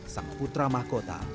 sang putra mahkota